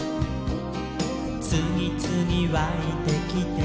「つぎつぎわいてきて」